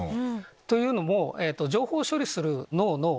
というのも。